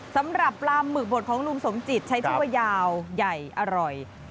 สำหรับปลาหมึกบดของลุงสมจิตใช้ชื่อว่ายาวใหญ่อร่อย